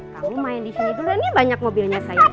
kamu main disini dulu ya ini banyak mobilnya sayang